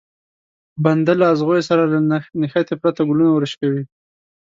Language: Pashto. بنده له ازغيو سره له نښتې پرته ګلونه ورشکوي.